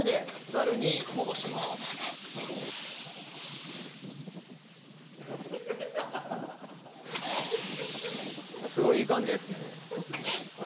ザルに戻しますすごいいい感じですね